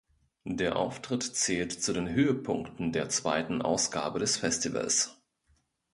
Der Auftritt zählt zu den Höhepunkten der zweiter Ausgabe des Festivals.